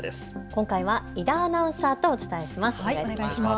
今回は井田アナウンサーとお伝えします。